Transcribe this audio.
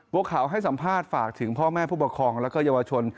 บัวขาวให้สัมภาษณ์ฝากถึงพ่อแม่ผู้ปกครองแล้วก็เยาวชน